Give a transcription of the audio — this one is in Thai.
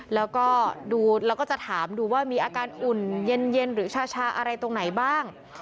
แล้วก็ตามดูว่ามีอาการหุ่นเย็นหรือชาอะไรตรงไหนบ้าง